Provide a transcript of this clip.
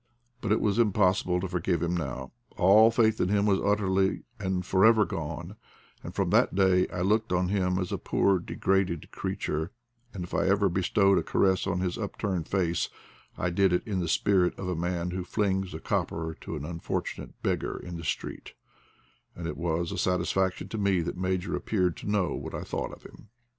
But it was impossible to forgive him now. All faith in him was utterly and for ever gone, and from that day I looked on him as a poor degraded creature ; and if I ever bestowed a caress on his upturned face, I did it in the spirit of a man who flings a copper to an unfortunate beggar in the street; and it was a satisfaction to me that Major appeared to know what I thought of him.